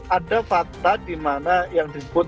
ada fakta di mana yang disebut